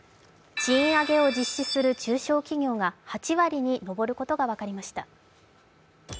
賃上げを実施する中小企業が８割に上ることが分かりました